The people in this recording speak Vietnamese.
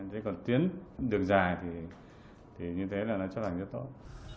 thế còn tuyến đường dài thì như thế là nó chấp hành rất tốt